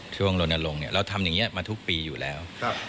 ช่วงลนลงเราทำอย่างนี้มาทุกปีอยู่แล้ว